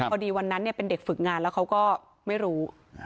วันนั้นเป็นเด็กฝึกงานแล้วเขาก็ไม่รู้